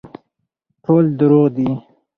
ټول دروغ دي